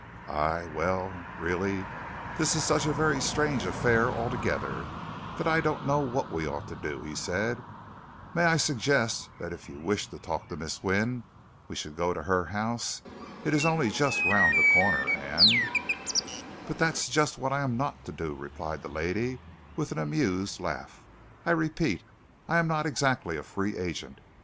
"I well, really, this is such a very strange affair altogether that I don't know what we ought to do," he said. "May I suggest that if you wish to talk to Miss Wynne, we should go to her house? It's only just round the corner, and " "But that's just what I am not to do," replied the lady, with an amused laugh. "I repeat I am not exactly a free agent.